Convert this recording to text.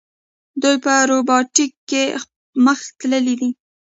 دوی په روباټیک کې مخکې تللي دي.